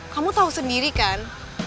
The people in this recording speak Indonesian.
kamu tau sendiri kan